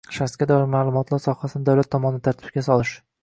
Shaxsga doir ma’lumotlar sohasini davlat tomonidan tartibga solish